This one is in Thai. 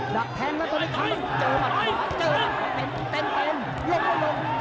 ดักแทงแล้วตอนนี้ครับมันเจอมัดขวาเจอมัดขวาเต็ม